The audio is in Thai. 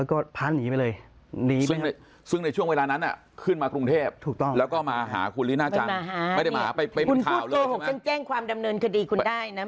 คุณพูดโกหกซังแจ้งความดำเนินคดีคุณได้นะ